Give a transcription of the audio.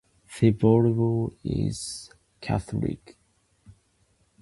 Thibodeau is Catholic.